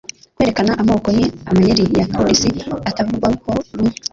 Kwerekana amoko ni amayeri ya polisi atavugwaho rumwe